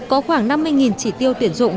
có khoảng năm mươi chỉ tiêu tuyển dụng